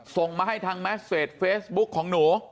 ส่งมาให้ทางแมสเฟสเฟซบุ๊กของหนู